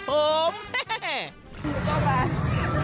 จุ๊กตาบาด